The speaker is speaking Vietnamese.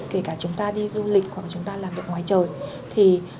kể cả chúng ta đi du lịch hoặc chúng ta làm việc ngoài trời